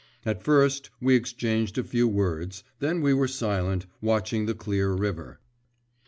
At first we exchanged a few words, then we were silent, watching the clear river.